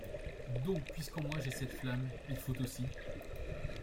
Donc puisqu'en moi j'ai cette flamme, Il faut aussi